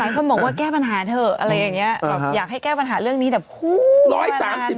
หลายคนบอกว่าแก้ปัญหาเถอะอยากให้แก้ปัญหาเรื่องนี้แบบ